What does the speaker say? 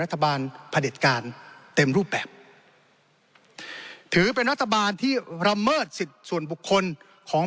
พระเด็จการเต็มรูปแบบถือเป็นรัฐบาลที่ระเมิดสิทธิ์ส่วนบุคคลของ